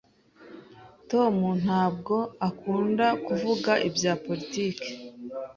Tom ntabwo akunda kuvuga ibya politiki.